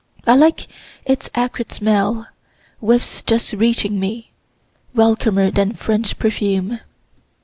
I like its acrid smell whiffs just reaching me welcomer than French perfume.